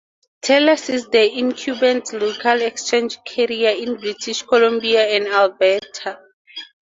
Telus is the incumbent local exchange carrier in British Columbia and Alberta.